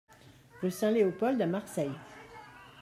Rue Saint-Léopold à Marseille